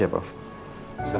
terima kasih pak